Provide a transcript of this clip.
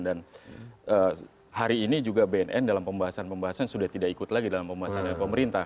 dan hari ini juga bnn dalam pembahasan pembahasan sudah tidak ikut lagi dalam pembahasan dari pemerintah